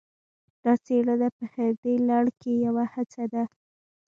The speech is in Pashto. دا څېړنه په همدې لړ کې یوه هڅه ده